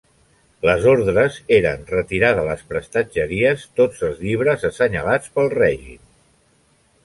Les ordres eren retirar de les prestatgeries tots els llibres assenyalats pel règim.